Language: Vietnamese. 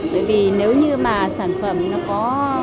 bởi vì nếu như mà sản phẩm nó có